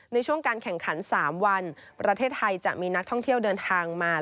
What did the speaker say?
ในช่วงการแข่งขัน๓วันประเทศไทยจะมีนักท่องเที่ยวเดินทางมา